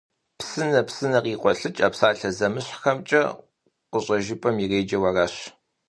Псынэ, псынэ къикъуэлъыкӀ - а псалъэ зэмыщхьхэмкӀэ къыщӀэжыпӀэм иреджэу аращ.